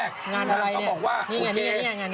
ก็บอกว่าโอเค